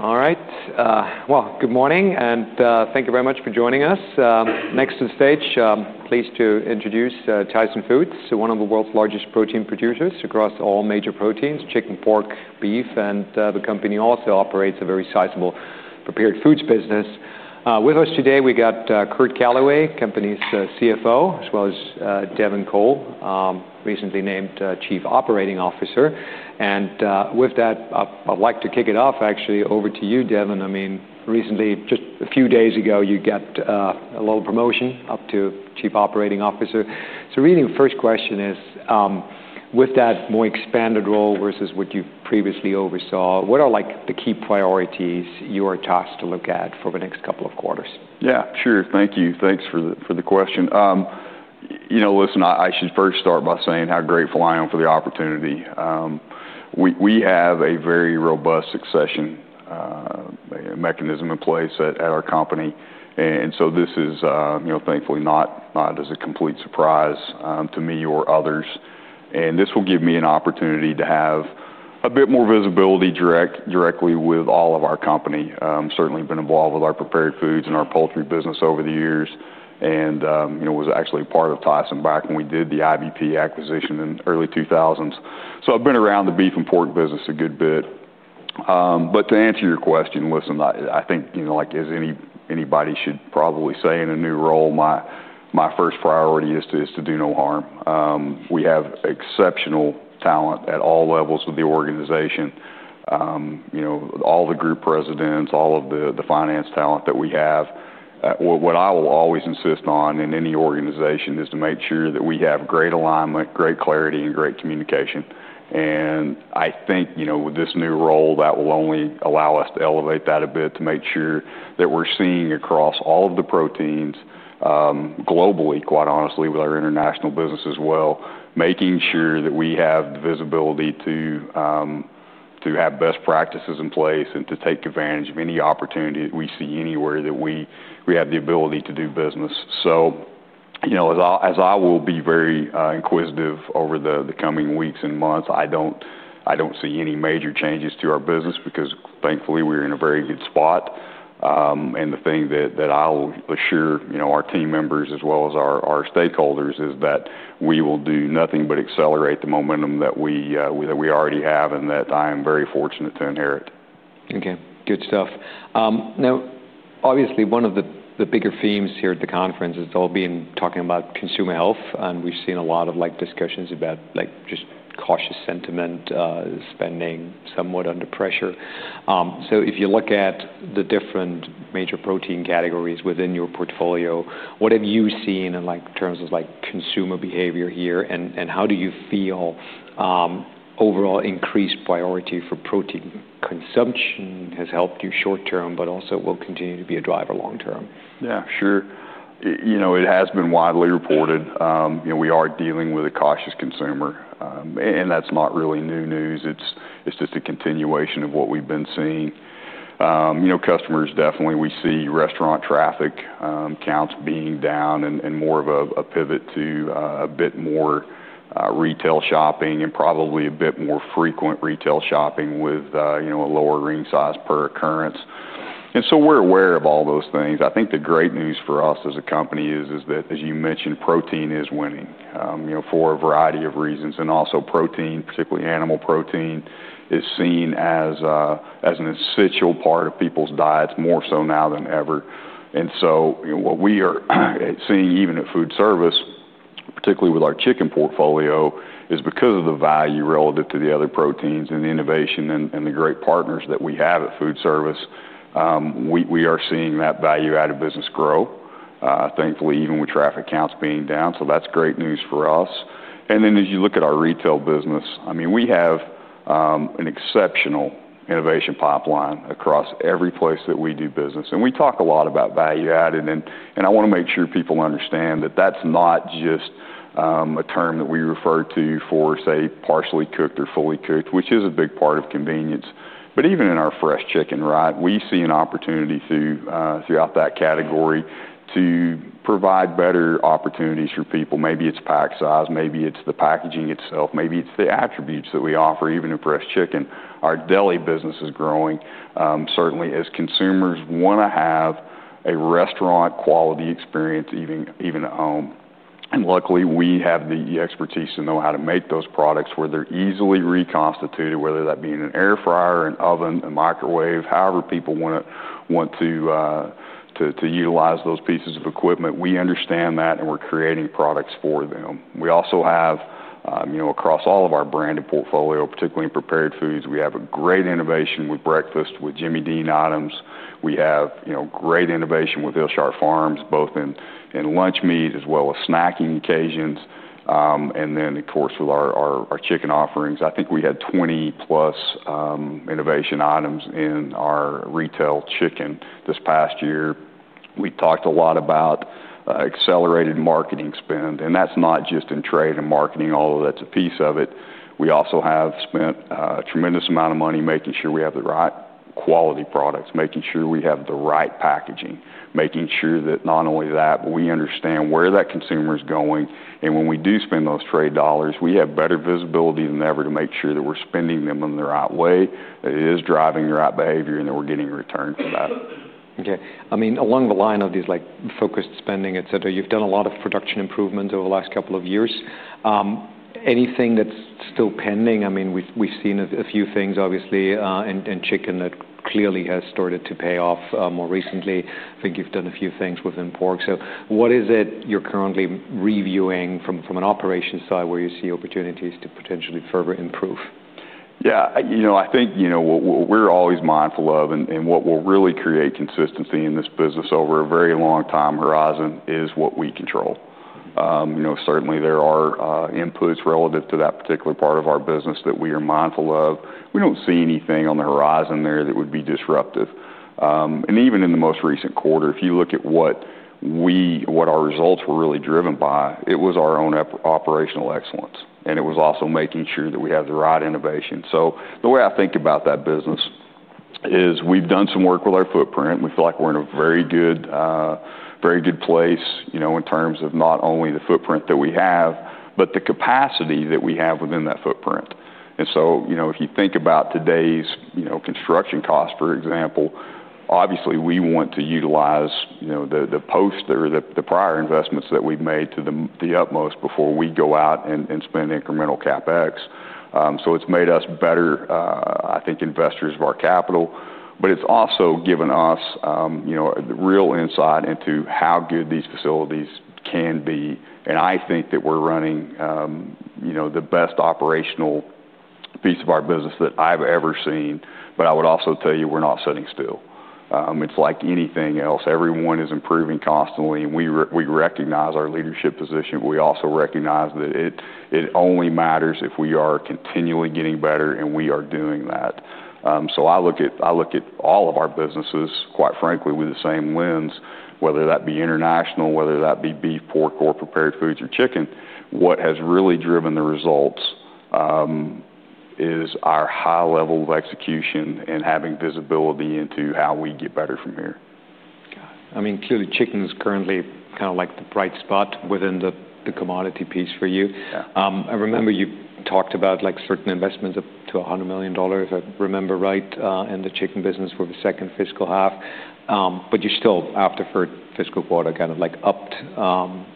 ... All right. Well, good morning, and thank you very much for joining us. Next to the stage, I'm pleased to introduce Tyson Foods, one of the world's largest protein producers across all major proteins: chicken, pork, beef, and the company also operates a very sizable prepared foods business. With us today, we got Curt Calaway, company's CFO, as well as Devin Cole, recently named Chief Operating Officer. And with that, I'd like to kick it off, actually, over to you, Devin. I mean, recently, just a few days ago, you got a little promotion up to Chief Operating Officer. So really, the first question is, with that more expanded role versus what you previously oversaw, what are, like, the key priorities you are tasked to look at for the next couple of quarters? Yeah, sure. Thank you. Thanks for the question. You know, listen, I should first start by saying how grateful I am for the opportunity. We have a very robust succession mechanism in place at our company, and so this is you know, thankfully not as a complete surprise to me or others. And this will give me an opportunity to have a bit more visibility directly with all of our company. Certainly been involved with our prepared foods and our poultry business over the years, and you know, was actually a part of Tyson back when we did the IBP acquisition in early 2000s. So I've been around the beef and pork business a good bit. But to answer your question, listen, I think, you know, like anybody should probably say in a new role, my first priority is to do no harm. We have exceptional talent at all levels of the organization, you know, all the group presidents, all of the finance talent that we have. What I will always insist on in any organization is to make sure that we have great alignment, great clarity, and great communication. And I think, you know, with this new role, that will only allow us to elevate that a bit, to make sure that we're seeing across all of the proteins, globally, quite honestly, with our international business as well, making sure that we have the visibility to have best practices in place and to take advantage of any opportunity that we see anywhere that we have the ability to do business. So, you know, as I will be very inquisitive over the coming weeks and months, I don't see any major changes to our business because thankfully, we're in a very good spot. And the thing that I will assure, you know, our team members as well as our stakeholders, is that we will do nothing but accelerate the momentum that we already have and that I am very fortunate to inherit. Okay, good stuff. Now, obviously, one of the bigger themes here at the conference has all been talking about consumer health, and we've seen a lot of, like, discussions about, like, just cautious sentiment, spending somewhat under pressure. So if you look at the different major protein categories within your portfolio, what have you seen in, like, terms of, like, consumer behavior here? And how do you feel overall increased priority for protein consumption has helped you short term, but also will continue to be a driver long term? Yeah, sure. You know, it has been widely reported, you know, we are dealing with a cautious consumer, and that's not really new news. It's just a continuation of what we've been seeing. You know, customers, definitely, we see restaurant traffic counts being down and more of a pivot to a bit more retail shopping and probably a bit more frequent retail shopping with, you know, a lower ring size per occurrence. And so we're aware of all those things. I think the great news for us as a company is that, as you mentioned, protein is winning, you know, for a variety of reasons, and also protein, particularly animal protein, is seen as an essential part of people's diets, more so now than ever. And so, you know, what we are seeing even at foodservice, particularly with our chicken portfolio, is because of the value relative to the other proteins and the innovation and the great partners that we have at foodservice, we are seeing that value-added business grow, thankfully, even with traffic counts being down, so that's great news for us, and then as you look at our retail business, I mean, we have an exceptional innovation pipeline across every place that we do business, and we talk a lot about value-added, and I wanna make sure people understand that that's not just a term that we refer to for, say, partially cooked or fully cooked, which is a big part of convenience. But even in our fresh chicken, right, we see an opportunity through, throughout that category to provide better opportunities for people. Maybe it's pack size, maybe it's the packaging itself, maybe it's the attributes that we offer, even in fresh chicken. Our deli business is growing, certainly as consumers wanna have a restaurant-quality experience, even, even at home. And luckily, we have the expertise to know how to make those products where they're easily reconstituted, whether that be in an air fryer, an oven, a microwave. However people want to utilize those pieces of equipment, we understand that, and we're creating products for them. We also have, you know, across all of our branded portfolio, particularly in prepared foods, we have a great innovation with breakfast, with Jimmy Dean items. We have, you know, great innovation with Hillshire Farms, both in lunch meat as well as snacking occasions. And then, of course, with our chicken offerings, I think we had 20 plus innovation items in our retail chicken this past year. We talked a lot about accelerated marketing spend, and that's not just in trade and marketing, although that's a piece of it. We also have spent a tremendous amount of money making sure we have the right quality products, making sure we have the right packaging, making sure that not only that, but we understand where that consumer is going, and when we do spend those trade dollars, we have better visibility than ever to make sure that we're spending them in the right way, that it is driving the right behavior, and that we're getting a return from that. Okay. I mean, along the line of these, like, focused spending, et cetera, you've done a lot of production improvement over the last couple of years. Anything that's still pending? I mean, we've seen a few things, obviously, in chicken that clearly has started to pay off, more recently. I think you've done a few things within pork. So what is it you're currently reviewing from an operations side, where you see opportunities to potentially further improve? Yeah. You know, I think, you know, what, what we're always mindful of and what will really create consistency in this business over a very long time horizon is what we control. You know, certainly there are inputs relative to that particular part of our business that we are mindful of. We don't see anything on the horizon there that would be disruptive. And even in the most recent quarter, if you look at what our results were really driven by, it was our own operational excellence, and it was also making sure that we had the right innovation. So the way I think about that business is we've done some work with our footprint. We feel like we're in a very good, very good place, you know, in terms of not only the footprint that we have, but the capacity that we have within that footprint. And so, you know, if you think about today's, you know, construction cost, for example, obviously, we want to utilize, you know, the prior investments that we've made to the utmost before we go out and spend incremental CapEx. So it's made us better, I think, investors of our capital, but it's also given us, you know, real insight into how good these facilities can be. And I think that we're running, you know, the best operational piece of our business that I've ever seen, but I would also tell you, we're not sitting still. It's like anything else. Everyone is improving constantly, and we recognize our leadership position, but we also recognize that it, it only matters if we are continually getting better, and we are doing that. So I look at all of our businesses, quite frankly, with the same lens, whether that be international, whether that be beef, pork or prepared foods or chicken. What has really driven the results is our high level of execution and having visibility into how we get better from here. Got it. I mean, clearly, chicken is currently kind of like the bright spot within the commodity piece for you. Yeah. I remember you talked about, like, certain investments up to $100 million, if I remember right, in the chicken business for the second fiscal half. But you still, after third fiscal quarter, kind of, like, upped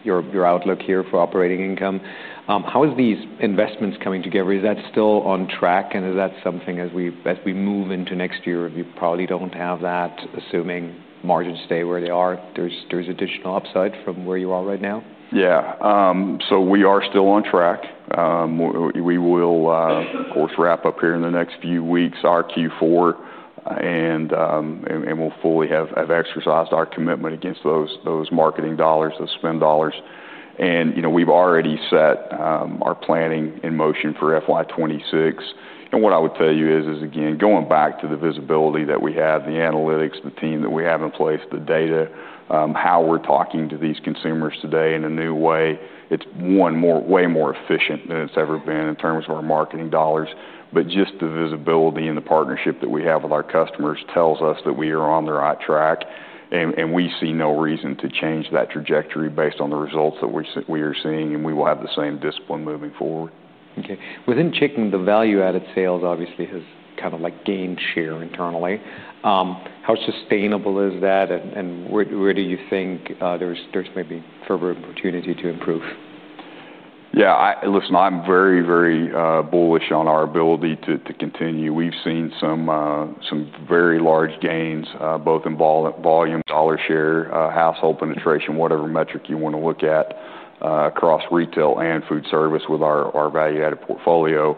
your outlook here for operating income. How is these investments coming together? Is that still on track, and is that something as we move into next year, you probably don't have that, assuming margins stay where they are, there's additional upside from where you are right now? Yeah. So we are still on track. We will, of course, wrap up here in the next few weeks, our Q4, and we'll fully have exercised our commitment against those marketing dollars, those spend dollars. And, you know, we've already set our planning in motion for FY 2026. And what I would tell you is again, going back to the visibility that we have, the analytics, the team that we have in place, the data, how we're talking to these consumers today in a new way, it's way more efficient than it's ever been in terms of our marketing dollars. But just the visibility and the partnership that we have with our customers tells us that we are on the right track, and we see no reason to change that trajectory based on the results that we are seeing, and we will have the same discipline moving forward. Okay. Within chicken, the value-added sales obviously has kind of, like, gained share internally. How sustainable is that, and where do you think there's maybe further opportunity to improve? Yeah, listen, I'm very, very bullish on our ability to continue. We've seen some very large gains both in volume, dollar share, household penetration, whatever metric you want to look at, across retail and foodservice with our value-added portfolio,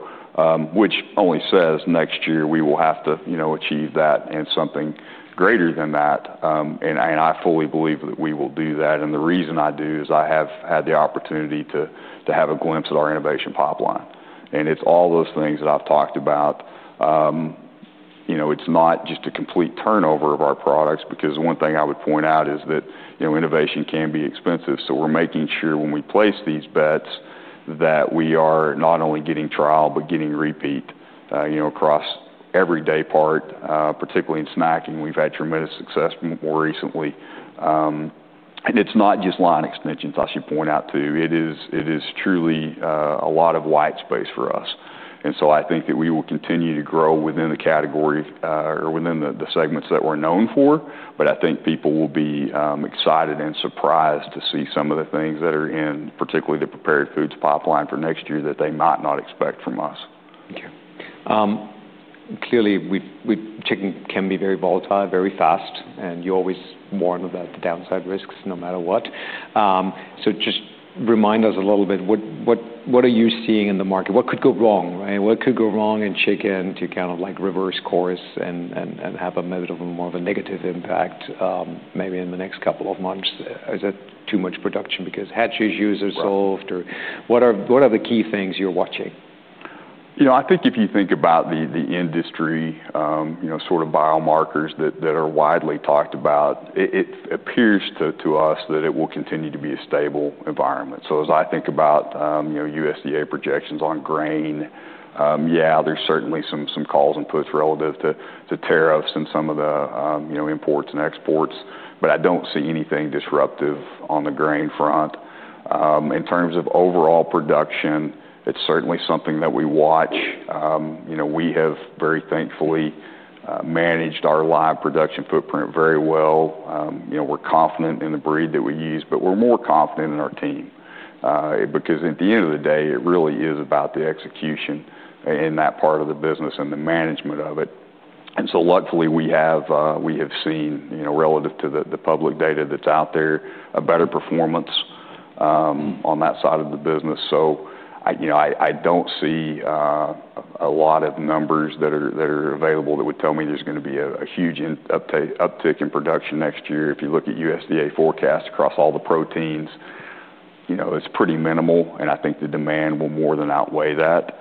which only says next year we will have to, you know, achieve that and something greater than that. And I fully believe that we will do that, and the reason I do is I have had the opportunity to have a glimpse at our innovation pipeline. And it's all those things that I've talked about. You know, it's not just a complete turnover of our products, because one thing I would point out is that, you know, innovation can be expensive. We're making sure when we place these bets, that we are not only getting trial but getting repeat, you know, across every day part, particularly in snacking, we've had tremendous success more recently. It's not just line extensions, I should point out, too. It is truly a lot of white space for us. I think that we will continue to grow within the category, or within the segments that we're known for, but I think people will be excited and surprised to see some of the things that are in, particularly the prepared foods pipeline for next year, that they might not expect from us. Thank you. Clearly, chicken can be very volatile, very fast, and you always warn about the downside risks no matter what. So just remind us a little bit, what are you seeing in the market? What could go wrong, right? What could go wrong in chicken to kind of, like, reverse course and have a little more of a negative impact, maybe in the next couple of months? Is it too much production because hatcheries issues are solved? Right... or what are the key things you're watching? ... You know, I think if you think about the industry, you know, sort of biomarkers that are widely talked about, it appears to us that it will continue to be a stable environment. So as I think about, you know, USDA projections on grain, yeah, there's certainly some calls and puts relative to tariffs and some of the, you know, imports and exports, but I don't see anything disruptive on the grain front. In terms of overall production, it's certainly something that we watch. You know, we have very thankfully managed our live production footprint very well. You know, we're confident in the breed that we use, but we're more confident in our team. Because at the end of the day, it really is about the execution in that part of the business and the management of it. And so luckily, we have seen, you know, relative to the public data that's out there, a better performance on that side of the business. So, I don't see a lot of numbers that are available that would tell me there's gonna be a huge uptick in production next year. If you look at USDA forecasts across all the proteins, you know, it's pretty minimal, and I think the demand will more than outweigh that.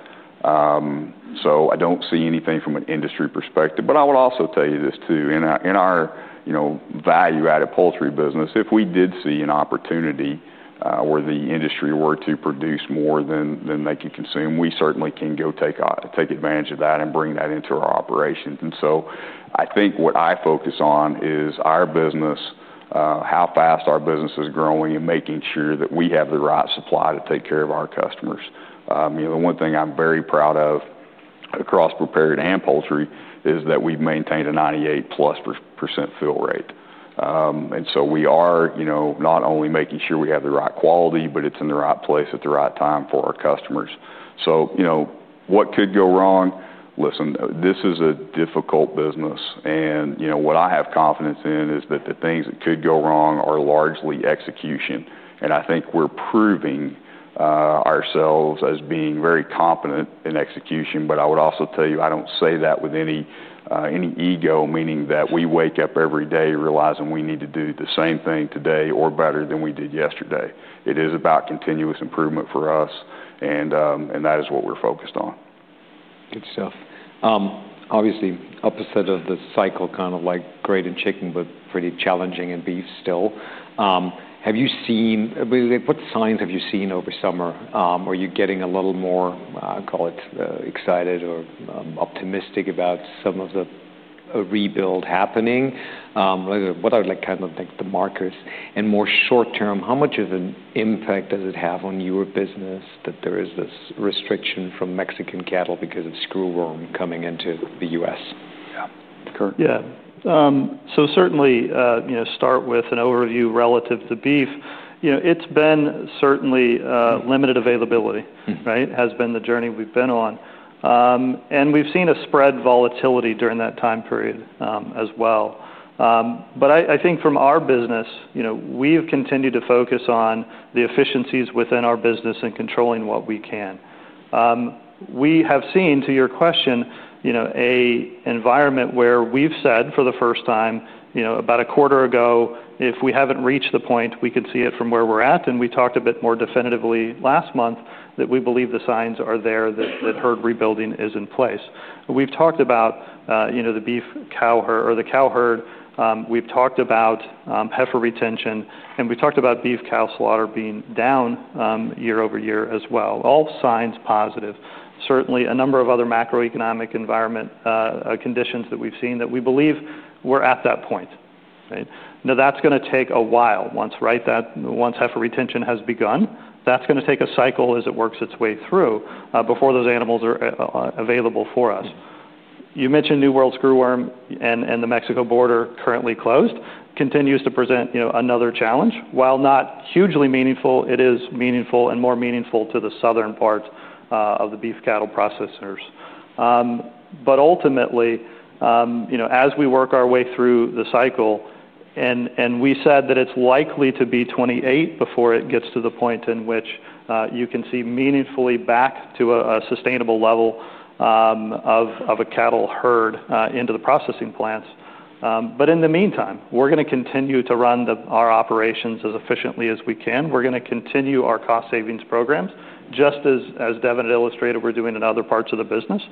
So I don't see anything from an industry perspective. But I would also tell you this, too: in our, you know, value-added poultry business, if we did see an opportunity, where the industry were to produce more than they could consume, we certainly can go take advantage of that and bring that into our operations. And so I think what I focus on is our business, how fast our business is growing, and making sure that we have the right supply to take care of our customers. You know, the one thing I'm very proud of across prepared and poultry is that we've maintained a 98% plus fill rate. And so we are, you know, not only making sure we have the right quality, but it's in the right place at the right time for our customers. So, you know, what could go wrong? Listen, this is a difficult business, and, you know, what I have confidence in is that the things that could go wrong are largely execution, and I think we're proving ourselves as being very competent in execution. But I would also tell you, I don't say that with any ego, meaning that we wake up every day realizing we need to do the same thing today or better than we did yesterday. It is about continuous improvement for us, and that is what we're focused on. Good stuff. Obviously, opposite of the cycle, kind of like great in chicken, but pretty challenging in beef still. What signs have you seen over summer? Are you getting a little more, call it, excited or optimistic about some of the, a rebuild happening? What are, like, kind of, like, the markers? And more short term, how much of an impact does it have on your business that there is this restriction from Mexican cattle because of screwworm coming into the U.S.? Yeah. Curt? Yeah. So certainly, you know, start with an overview relative to beef. You know, it's been certainly limited availability, right? Has been the journey we've been on. And we've seen a spread volatility during that time period, as well. But I think from our business, you know, we have continued to focus on the efficiencies within our business and controlling what we can. We have seen, to your question, you know, an environment where we've said for the first time, you know, about a quarter ago, if we haven't reached the point, we could see it from where we're at. And we talked a bit more definitively last month, that we believe the signs are there, that herd rebuilding is in place. We've talked about, you know, the beef cow herd or the cow herd, we've talked about heifer retention, and we talked about beef cow slaughter being down year-over-year as well. All signs positive. Certainly, a number of other macroeconomic environment conditions that we've seen that we believe we're at that point, right? Now, that's gonna take a while once, right, once heifer retention has begun, that's gonna take a cycle as it works its way through before those animals are available for us. You mentioned New World screwworm and the Mexico border currently closed, continues to present, you know, another challenge. While not hugely meaningful, it is meaningful and more meaningful to the southern parts of the beef cattle processors. But ultimately, you know, as we work our way through the cycle and we said that it's likely to be 2028 before it gets to the point in which you can see meaningfully back to a sustainable level of a cattle herd into the processing plants. But in the meantime, we're gonna continue to run our operations as efficiently as we can. We're gonna continue our cost savings programs, just as Devin had illustrated we're doing in other parts of the business.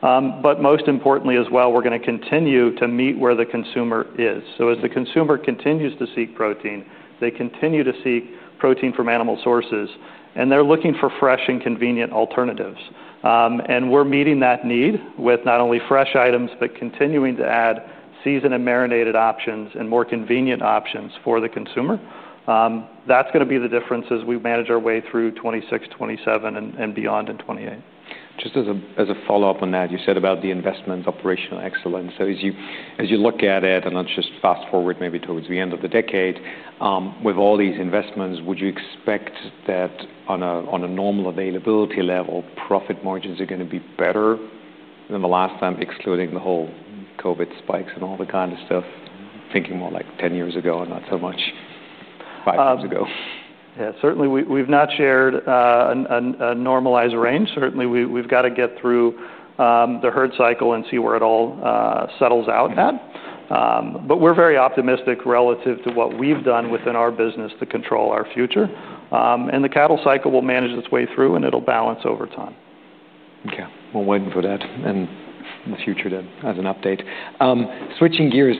But most importantly, as well, we're gonna continue to meet where the consumer is. So as the consumer continues to seek protein, they continue to seek protein from animal sources, and they're looking for fresh and convenient alternatives. And we're meeting that need with not only fresh items, but continuing to add seasoned and marinated options and more convenient options for the consumer. That's gonna be the difference as we manage our way through 2026, 2027 and beyond in 2028. Just as a follow-up on that, you said about the investment operational excellence. So as you look at it, and let's just fast-forward maybe towards the end of the decade, with all these investments, would you expect that on a normal availability level, profit margins are gonna be better than the last time, excluding the whole COVID spikes and all that kind of stuff? Thinking more like 10 years ago and not so much 5 years ago. Yeah, certainly, we've not shared a normalized range. Certainly, we've got to get through the herd cycle and see where it all settles out at.... but we're very optimistic relative to what we've done within our business to control our future, and the cattle cycle will manage its way through, and it'll balance over time. Okay, we're waiting for that in the future then, as an update. Switching gears,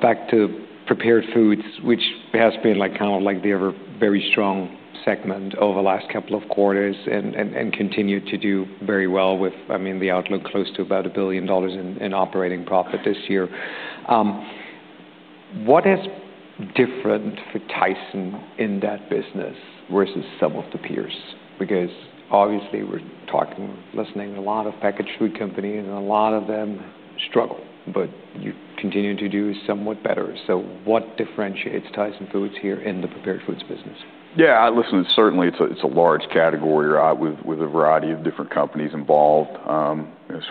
back to prepared foods, which has been, like, kind of like their very strong segment over the last couple of quarters and continue to do very well with, I mean, the outlook close to about $1 billion in operating profit this year. What is different for Tyson in that business versus some of the peers? Because obviously, we're talking, listening to a lot of packaged food companies, and a lot of them struggle, but you continue to do somewhat better, so what differentiates Tyson Foods here in the prepared foods business? Yeah, listen, certainly, it's a large category, with a variety of different companies involved,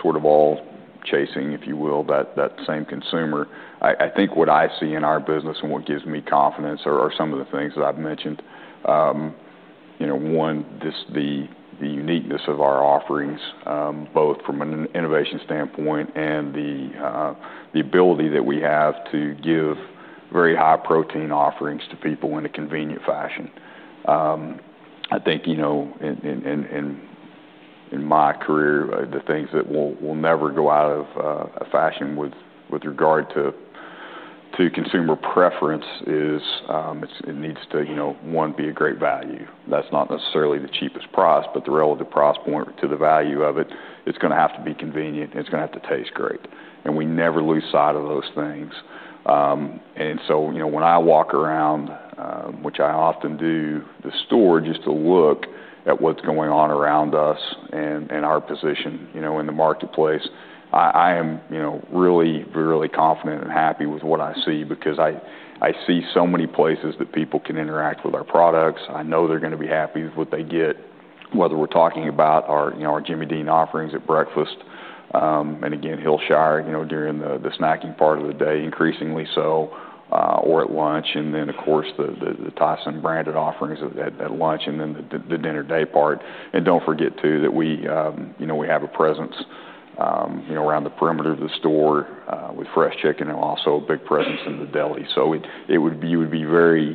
sort of all chasing, if you will, that same consumer. I think what I see in our business and what gives me confidence are some of the things that I've mentioned. You know, one, just the uniqueness of our offerings, both from an innovation standpoint and the ability that we have to give very high protein offerings to people in a convenient fashion. I think, you know, in my career, the things that will never go out of fashion with regard to consumer preference is, it needs to, you know, one, be a great value. That's not necessarily the cheapest price, but the relative price point to the value of it. It's gonna have to be convenient, and it's gonna have to taste great, and we never lose sight of those things. And so, you know, when I walk around, which I often do, the store, just to look at what's going on around us and our position, you know, in the marketplace, I am, you know, really, really confident and happy with what I see because I see so many places that people can interact with our products. I know they're gonna be happy with what they get, whether we're talking about our, you know, our Jimmy Dean offerings at breakfast, and again, Hillshire, you know, during the snacking part of the day, increasingly so, or at lunch, and then, of course, the Tyson-branded offerings at lunch and then the dinner day part. And don't forget too, that we, you know, we have a presence, you know, around the perimeter of the store, with fresh chicken and also a big presence in the deli. So it would be very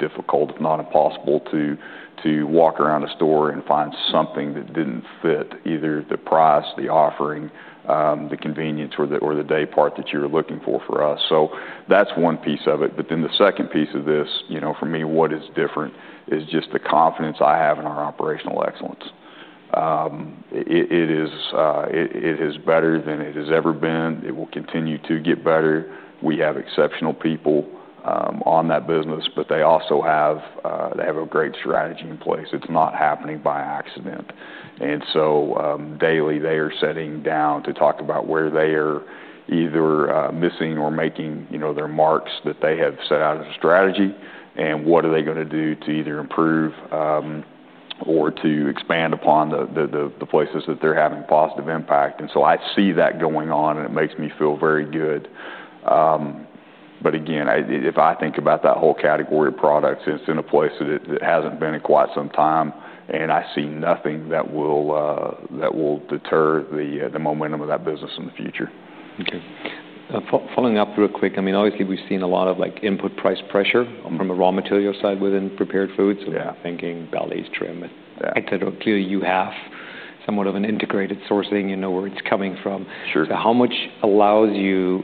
difficult, if not impossible, to walk around a store and find something that didn't fit either the price, the offering, the convenience, or the day part that you're looking for for us. So that's one piece of it. But then the second piece of this, you know, for me, what is different is just the confidence I have in our operational excellence. It is better than it has ever been. It will continue to get better. We have exceptional people on that business, but they also have a great strategy in place. It's not happening by accident. And so, daily, they are sitting down to talk about where they are either missing or making, you know, their marks that they have set out as a strategy, and what are they gonna do to either improve or to expand upon the places that they're having a positive impact. And so I see that going on, and it makes me feel very good. But again, if I think about that whole category of products, it's in a place that it hasn't been in quite some time, and I see nothing that will deter the momentum of that business in the future. Okay. Following up real quick, I mean, obviously, we've seen a lot of, like, input price pressure- Mm-hmm. from a raw material side within prepared foods. Yeah. Thinking bellies, trim, and- Yeah. Clearly, you have somewhat of an integrated sourcing. You know, where it's coming from. Sure. How much does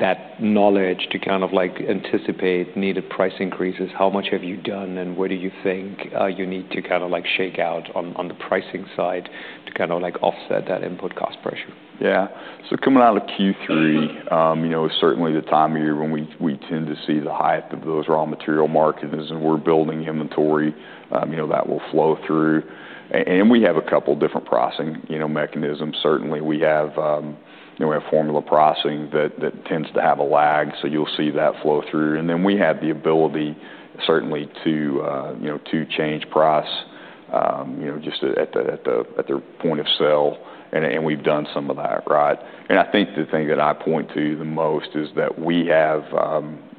that knowledge allow you to kind of, like, anticipate needed price increases? How much have you done, and what do you think you need to kind of, like, shake out on the pricing side to kind of, like, offset that input cost pressure? Yeah. So coming out of Q3, you know, certainly the time of year when we tend to see the height of those raw material markets, and we're building inventory, you know, that will flow through. And we have a couple different pricing, you know, mechanisms. Certainly, we have, you know, we have formula pricing that tends to have a lag, so you'll see that flow through. And then we have the ability, certainly to, you know, to change price, you know, just at the point of sale, and we've done some of that, right? And I think the thing that I point to the most is that we have...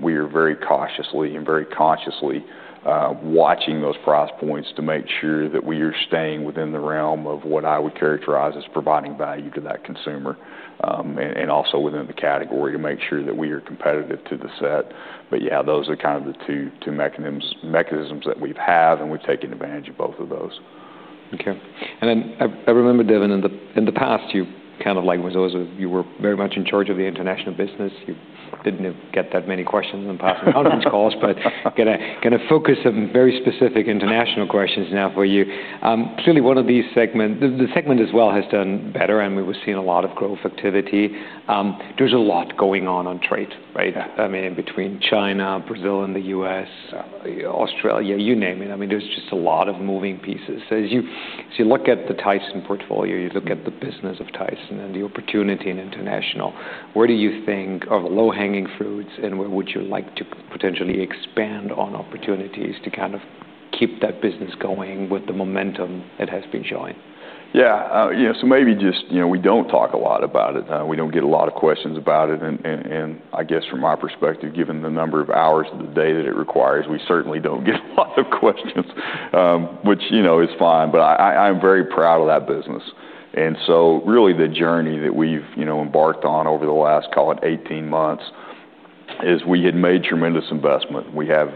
We are very cautiously and very consciously watching those price points to make sure that we are staying within the realm of what I would characterize as providing value to that consumer, and also within the category to make sure that we are competitive to the set. But yeah, those are kind of the two mechanisms that we've had, and we've taken advantage of both of those. Okay. And then I remember, Devin, in the past, you kind of like was also--you were very much in charge of the international business. You didn't get that many questions in the past on conference calls, but gonna focus on very specific international questions now for you. Clearly, one of these segments--the segment as well has done better, and we were seeing a lot of growth activity. There's a lot going on trade, right? Yeah. I mean, between China, Brazil, and the U.S., Australia, you name it. I mean, there's just a lot of moving pieces. As you look at the Tyson portfolio, you look at the business of Tyson and the opportunity in international, where do you think are low-hanging fruits, and where would you like to potentially expand on opportunities to kind of keep that business going with the momentum it has been showing? Yeah, yeah, so maybe just, you know, we don't talk a lot about it. We don't get a lot of questions about it, and I guess from my perspective, given the number of hours of the day that it requires, we certainly don't get a lot of questions, which, you know, is fine, but I'm very proud of that business. And so really, the journey that we've, you know, embarked on over the last, call it eighteen months is we had made tremendous investment. We have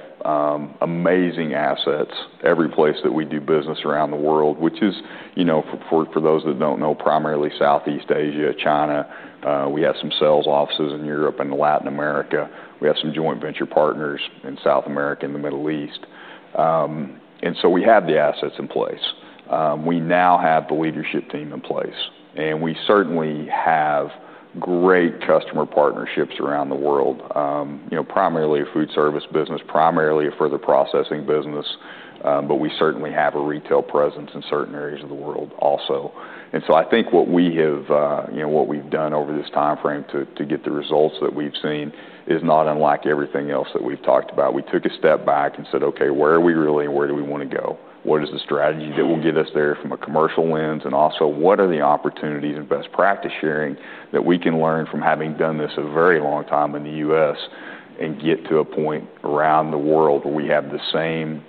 amazing assets every place that we do business around the world, which is, you know, for those that don't know, primarily Southeast Asia, China. We have some sales offices in Europe and Latin America. We have some joint venture partners in South America and the Middle East. And so we have the assets in place. We now have the leadership team in place, and we certainly have great customer partnerships around the world. You know, primarily a foodservice business, primarily a further processing business, but we certainly have a retail presence in certain areas of the world also. And so I think what we have, you know, what we've done over this time frame to get the results that we've seen is not unlike everything else that we've talked about. We took a step back and said, "Okay, where are we really, and where do we want to go? What is the strategy that will get us there from a commercial lens, and also, what are the opportunities and best practice sharing that we can learn from having done this a very long time in the U.S., and get to a point around the world where we have the same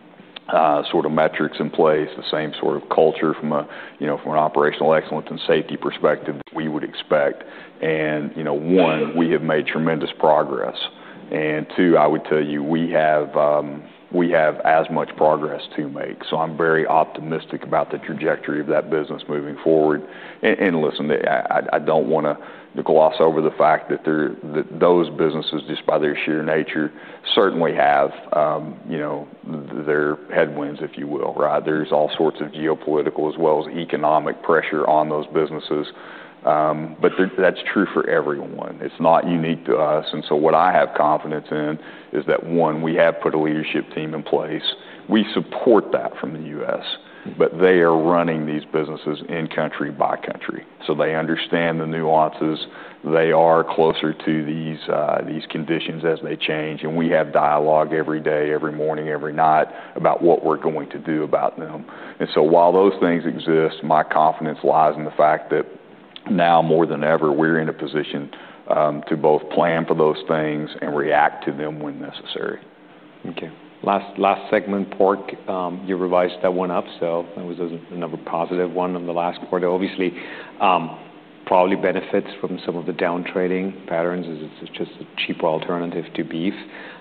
sort of metrics in place, the same sort of culture from a, you know, from an operational excellence and safety perspective that we would expect?" And, you know, one, we have made tremendous progress. And two, I would tell you, we have, we have as much progress to make. So I'm very optimistic about the trajectory of that business moving forward. And listen, I don't want to gloss over the fact that those businesses, just by their sheer nature, certainly have, you know, their headwinds, if you will, right? There's all sorts of geopolitical as well as economic pressure on those businesses, but that's true for everyone. It's not unique to us. And so what I have confidence in is that, one, we have put a leadership team in place. We support that from the U.S., but they are running these businesses in country by country. So they understand the nuances. They are closer to these conditions as they change, and we have dialogue every day, every morning, every night, about what we're going to do about them. And so while those things exist, my confidence lies in the fact that now more than ever, we're in a position to both plan for those things and react to them when necessary. Okay. Last segment, pork. You revised that one up, so that was another positive one in the last quarter. Obviously, probably benefits from some of the down-trading patterns, as it's just a cheaper alternative to beef.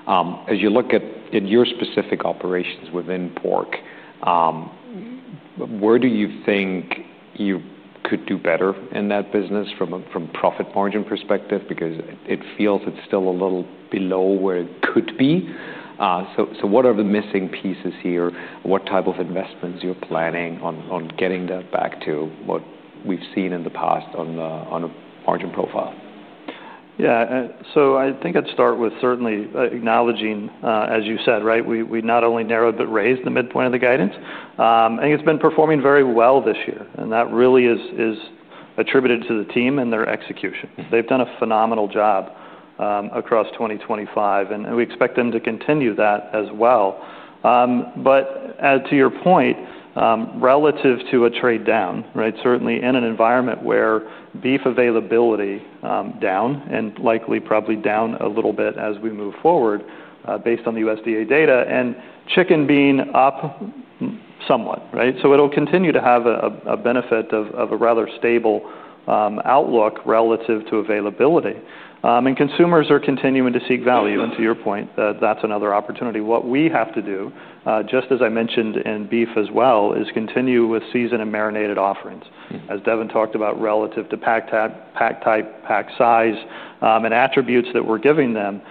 As you look at, in your specific operations within pork, where do you think you could do better in that business from a profit margin perspective? Because it feels it's still a little below where it could be. So what are the missing pieces here? What type of investments you're planning on getting that back to what we've seen in the past on a margin profile? Yeah. So I think I'd start with certainly acknowledging, as you said, right? We not only narrowed but raised the midpoint of the guidance. And it's been performing very well this year, and that really is attributed to the team and their execution. They've done a phenomenal job across 2025, and we expect them to continue that as well. But as to your point, relative to a trade down, right? Certainly in an environment where beef availability down and likely probably down a little bit as we move forward, based on the USDA data, and chicken being up somewhat, right? So it'll continue to have a benefit of a rather stable outlook relative to availability. And consumers are continuing to seek value, and to your point, that's another opportunity. What we have to do, just as I mentioned in beef as well, is continue with seasoned and marinated offerings. As Devin talked about, relative to pack type, pack size, and attributes that we're giving them,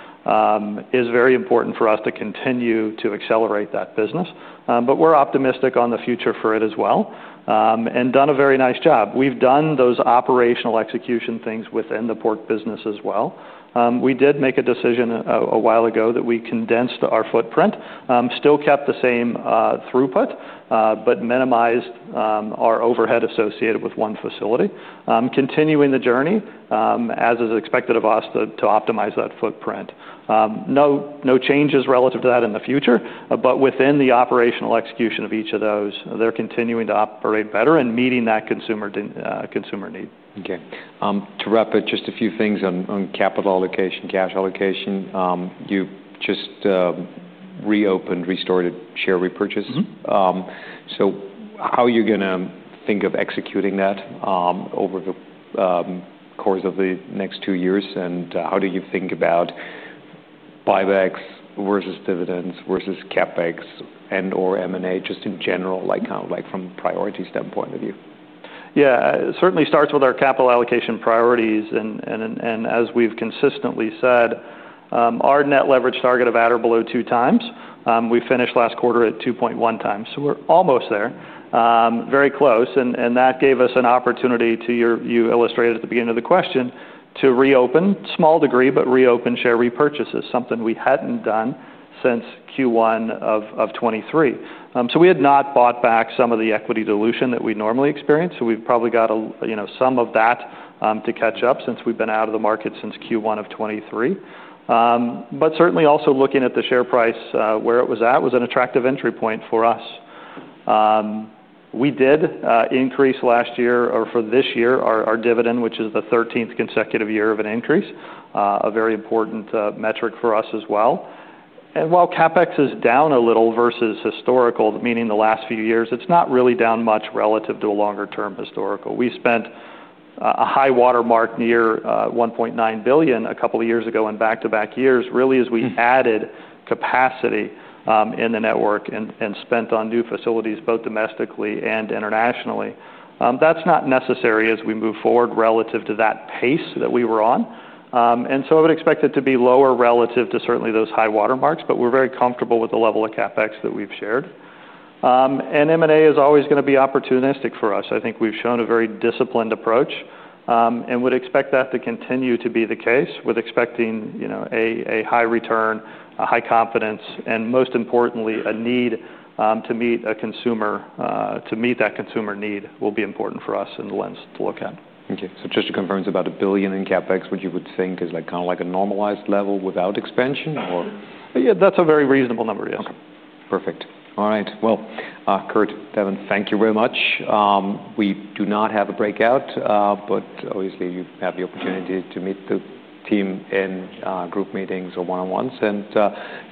is very important for us to continue to accelerate that business. But we're optimistic on the future for it as well, and done a very nice job. We've done those operational execution things within the pork business as well. We did make a decision a while ago that we condensed our footprint. Still kept the same throughput, but minimized our overhead associated with one facility. Continuing the journey, as is expected of us, to optimize that footprint. No, no changes relative to that in the future, but within the operational execution of each of those, they're continuing to operate better and meeting that consumer need. Okay. To wrap it, just a few things on capital allocation, cash allocation. You just reopened, restored share repurchases. Mm-hmm. How are you gonna think of executing that over the course of the next two years? How do you think about buybacks versus dividends versus CapEx and/or M&A, just in general, like, kind of, like, from a priority standpoint of view? Yeah. It certainly starts with our capital allocation priorities, and as we've consistently said, our net leverage target of at or below two times. We finished last quarter at two point one times. So we're almost there, very close, and that gave us an opportunity. You illustrated at the beginning of the question, to reopen a small degree, but reopen share repurchases, something we hadn't done since Q1 of 2023. So we had not bought back some of the equity dilution that we normally experience, so we've probably got a, you know, some of that to catch up since we've been out of the market since Q1 of 2023. But certainly also looking at the share price, where it was at was an attractive entry point for us. We did increase last year or for this year, our dividend, which is the thirteenth consecutive year of an increase, a very important metric for us as well. And while CapEx is down a little versus historical, meaning the last few years, it's not really down much relative to a longer-term historical. We spent a high-water mark near $1.9 billion a couple of years ago in back-to-back years, really, as we added capacity in the network and spent on new facilities, both domestically and internationally. That's not necessary as we move forward relative to that pace that we were on. And so I would expect it to be lower relative to certainly those high-water marks, but we're very comfortable with the level of CapEx that we've shared. And M&A is always going to be opportunistic for us. I think we've shown a very disciplined approach, and would expect that to continue to be the case with expecting, you know, a high return, a high confidence, and most importantly, a need to meet that consumer need will be important for us in the lens to look at. Okay. So just to confirm, it's about $1 billion in CapEx, which you would think is, like, kind of like a normalized level without expansion, or? Yeah, that's a very reasonable number, yes. Okay. Perfect. All right. Well, Curt, Devin, thank you very much. We do not have a breakout, but obviously, you have the opportunity to meet the team in group meetings or one-on-ones. And,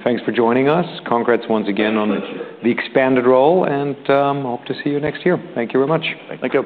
thanks for joining us. Congrats once again on- Pleasure... the expanded role, and hope to see you next year. Thank you very much. Thank you.